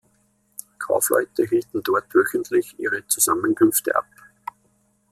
Kaufleute hielten dort wöchentlich ihre Zusammenkünfte ab.